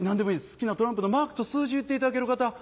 好きなトランプのマークと数字を言っていただける方？